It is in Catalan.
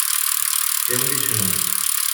Té un diccionari.